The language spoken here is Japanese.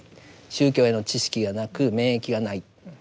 宗教への知識がなく免疫がない。